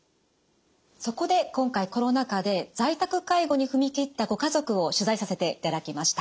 そこで今回コロナ禍で在宅介護に踏み切ったご家族を取材させていただきました。